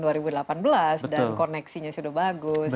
dan koneksinya sudah bagus